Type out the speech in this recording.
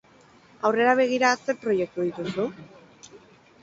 Aurrera begira, zer proiektu dituzu?